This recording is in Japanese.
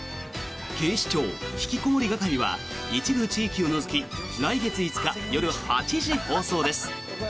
「警視庁ひきこもり係」は一部地域を除き来月５日夜８時放送です。